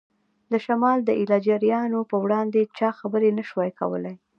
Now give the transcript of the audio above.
د شمال د ایله جاریانو په وړاندې چا خبرې نه شوای کولای.